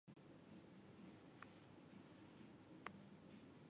中共中央书记处和中共中央统战部等有关部门领导参加了会议。